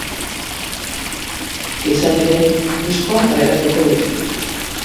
Izan ere, diskoa kaleratuko dute.